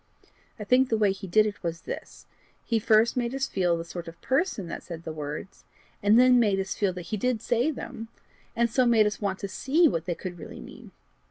I think the way he did it was this: he first made us feel the sort of person that said the words, and then made us feel that he did say them, and so made us want to see what they could really mean.